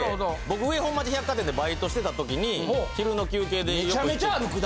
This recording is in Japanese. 僕上本町百貨店でバイトしてた時に昼の休憩でよく。